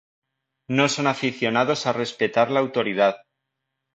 No son aficionados a respetar la autoridad.